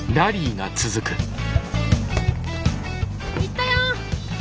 行ったよ。